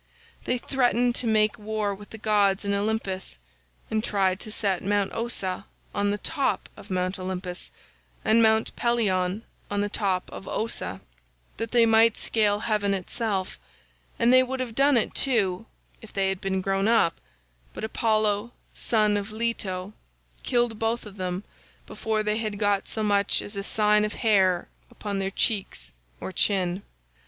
They threatened to make war with the gods in Olympus, and tried to set Mount Ossa on the top of Mount Olympus, and Mount Pelion on the top of Ossa, that they might scale heaven itself, and they would have done it too if they had been grown up, but Apollo, son of Leto, killed both of them, before they had got so much as a sign of hair upon their cheeks or chin.